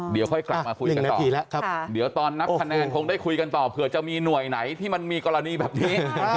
เดี๋ยวค่อยกลับมาคุยกันต่อเดี๋ยวตอนนับคะแนนคงได้คุยกันต่อเผื่อจะมีหน่วยไหนที่มันมีกรณีแบบนี้